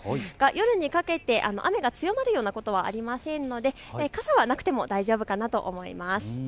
夜にかけて雨が強まるようなことはありませんので傘はなくても大丈夫かなと思います。